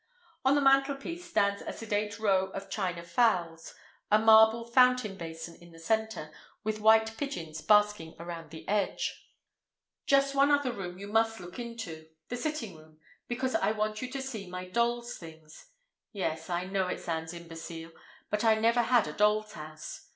On the mantelpiece stands a sedate row of china fowls, a marble fountain basin in the centre, with white pigeons basking around the edge. Just one other room you must look into—the sitting room, because I want you to see my dolls' things. Yes, I know it sounds imbecile, but I never had a dolls' house.